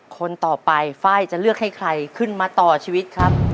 คนต่อไปไฟล์จะเลือกให้ใครขึ้นมาต่อชีวิตครับ